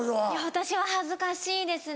私は恥ずかしいですね。